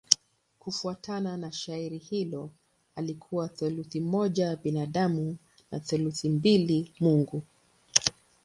Kufuatana na shairi hilo alikuwa theluthi moja binadamu na theluthi mbili mungu.